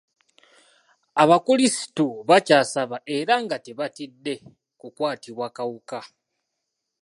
Abakulisitu bakyasaba era nga tebatidde kukwatibwa kawuka.